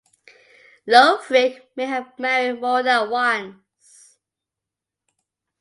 Leofric may have married more than once.